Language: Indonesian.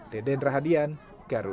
deden rahadian garut